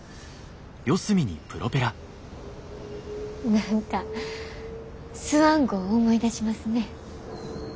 何かスワン号思い出しますね。